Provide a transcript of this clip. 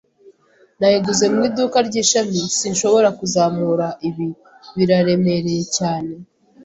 Nayiguze mu iduka ryishami. Sinshobora kuzamura ibi. Biraremereye cyane.